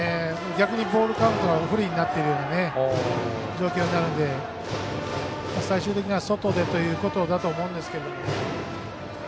逆にボールカウントのほうが不利になっているような状況になるので最終的には外でということになると思います。